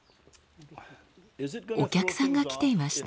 お客さんが来ていました。